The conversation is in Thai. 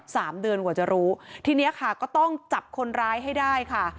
สามเดือนกว่าจะรู้ทีเนี้ยค่ะก็ต้องจับคนร้ายให้ได้ค่ะ